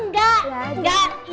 ya bu enggak